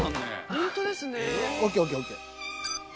本当ですね。